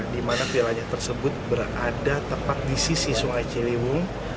dimana vilanya tersebut berada tepat di sisi sungai ciliwung